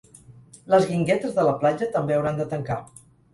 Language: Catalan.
Les guinguetes de la platja també hauran de tancar.